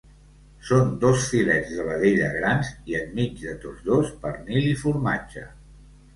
Són dos filets de vedella grans i, enmig de tots dos, pernil i formatge.